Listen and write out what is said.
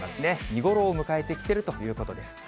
見頃を迎えてきているということです。